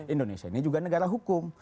indonesia ini juga negara hukum